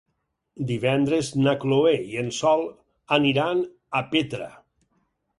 Divendres na Chloé i en Sol aniran a Petra.